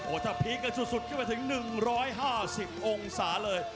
ถ้าพีคกันสุดขึ้นมาถึง๑๕๐องศาเลย